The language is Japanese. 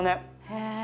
へえ。